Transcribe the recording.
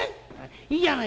『いいんじゃないか。